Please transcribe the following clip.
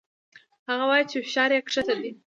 هغه وايي چې فشار يې کښته ديه.